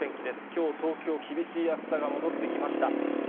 きょう、東京、厳しい暑さが戻ってきました。